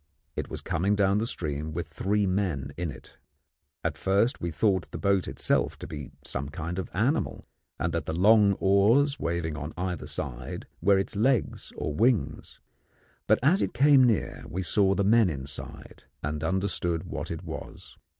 It was coming down the stream with three men in it. At first we thought the boat itself to be some kind of an animal, and that the long oars waving on either side were its legs or wings; but as it came near we saw the men inside, and understood what it was.